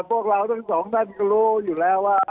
พวกเราทั้งสองท่านก็รู้อยู่แล้วว่า